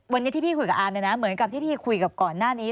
วันนี้ที่พี่คุยกับอาร์มเนี่ยนะเหมือนกับที่พี่คุยกับก่อนหน้านี้